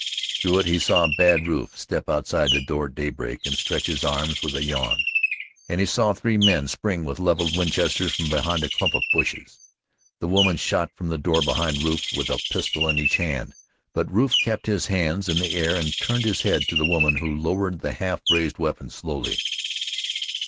Through it he saw Bad Rufe step outside the door at daybreak and stretch his arms with a yawn, and he saw three men spring with levelled Winchesters from behind a clump of bushes. The woman shot from the door behind Rufe with a pistol in each hand, but Rufe kept his hands in the air and turned his head to the woman who lowered the half raised weapons slowly.